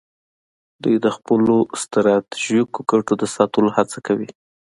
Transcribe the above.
دوی د خپلو ستراتیژیکو ګټو د ساتلو هڅه کوي